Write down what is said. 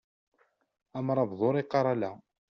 Amṛabeḍ ur iqqar ala.